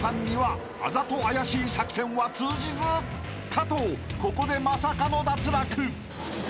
［加藤ここでまさかの脱落］